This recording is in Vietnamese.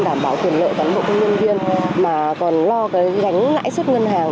đảm bảo quyền lợi cán bộ công nhân viên mà còn lo cái gánh lãi suất ngân hàng